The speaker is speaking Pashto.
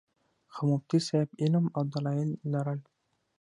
خو مفتي صېب علم او دلائل لرل